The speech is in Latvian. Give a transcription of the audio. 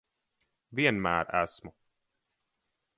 Vienmēr esmu.